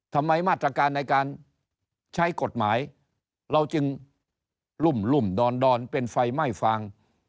ทำไมมาตรการในการใช้กฎหมายเราจึงรุ่มดอนเป็นไฟไหม้ฟาง